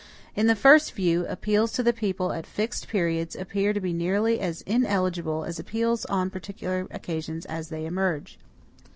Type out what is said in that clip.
In the first view, appeals to the people at fixed periods appear to be nearly as ineligible as appeals on particular occasions as they emerge.